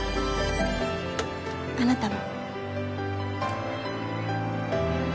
あなたも。